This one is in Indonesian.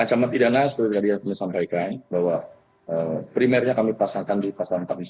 ancaman pidana seperti yang tadi saya sampaikan bahwa primernya kami pasangkan di pasangan empat puluh empat